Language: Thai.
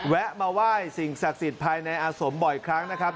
แวะมาไหว้สิ่งศักดิ์สิทธิ์ภายในอาสมบ่อยครั้งนะครับ